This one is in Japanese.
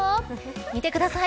見てください。